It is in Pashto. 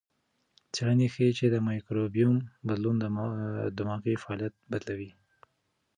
څېړنه ښيي چې د مایکروبیوم بدلون دماغي فعالیت بدلوي.